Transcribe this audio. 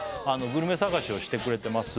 グルメ探しをしてくれてます